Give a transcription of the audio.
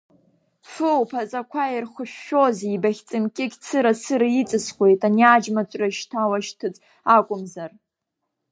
Фу, уԥаҵақәа ирхышәшәозеи Баӷь-цымкьыкь, цыра-цыра иҵысхуеит, ани аџьма-ҵәры шьҭа уашьҭыҵ акәымзар!